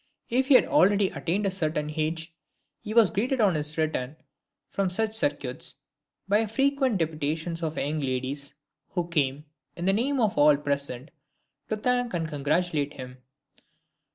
If he had already attained a certain age, he was greeted on his return from such circuits by frequent deputations of young ladies, who came, in the name of all present, to thank and congratulate him.